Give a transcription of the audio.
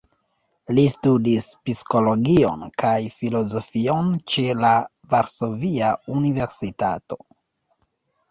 Li studis psikologion kaj filozofion ĉe la Varsovia Universitato.